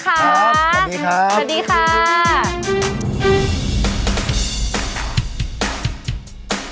ครับสวัสดีครับ